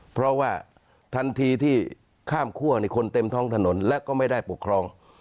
เพราะว่าทันทีที่ข้ามคั่วคนเต็มท้องถนนและก็ไม่ได้ปกครอง